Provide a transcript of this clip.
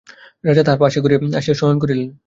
রাজা তাহার পার্শ্বের ঘরে আসিয়া শয়ন করিলেন।